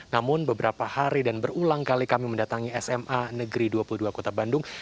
namun beberapa hari dan berulang kali kami mendatangi sma negeri dua puluh dua kota bandung